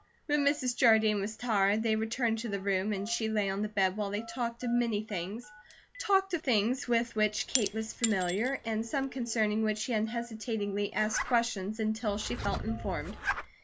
When Mrs. Jardine was tired, they returned to the room and she lay on the bed while they talked of many things; talked of things with which Kate was familiar, and some concerning which she unhesitatingly asked questions until she felt informed.